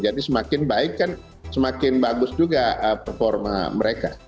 jadi semakin baik kan semakin bagus juga performa mereka